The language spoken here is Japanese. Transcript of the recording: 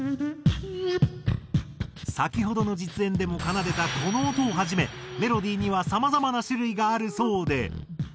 先ほどの実演でも奏でたこの音をはじめメロディーにはさまざまな種類があるそうで。